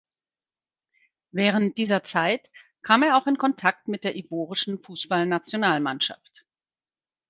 Während dieser Zeit kam er auch in Kontakt mit der ivorischen Fußballnationalmannschaft.